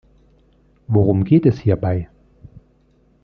Worum geht es hierbei?